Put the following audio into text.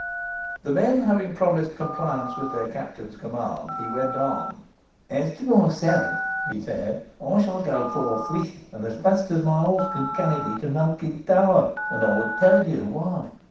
The men having promised compliance with their captain's command, he went on "As to myself," he said, "I shall go forthwith, and as fast as my horse can carry me, to Malkin Tower, and I will tell you why.